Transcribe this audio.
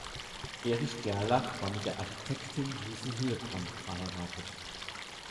Erich Gerlach war mit der Architektin Lucy Hillebrand verheiratet.